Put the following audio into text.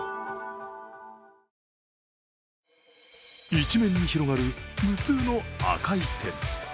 一面に広がる無数の赤い点。